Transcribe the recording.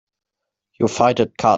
You fight it cut.